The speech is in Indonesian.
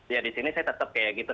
ya di sini saya tetap kayak gitu